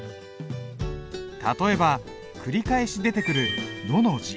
例えば繰り返し出てくる「之」の字。